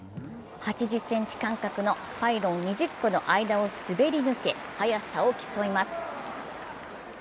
８０ｃｍ間隔のパイロン２０個の間を滑り抜け速さを競います。